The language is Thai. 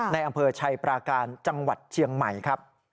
ในอำเภอชัยปราการจังหวัดเชียงใหม่ครับ